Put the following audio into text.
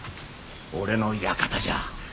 俺の館じゃ。